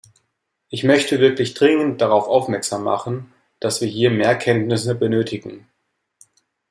Ich möchte wirklich dringend darauf aufmerksam machen, dass wir hier mehr Kenntnisse benötigen.